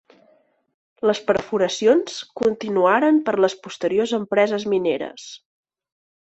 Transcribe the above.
Les perforacions continuaren per les posteriors empreses mineres.